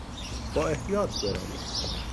با احتیاط برانید!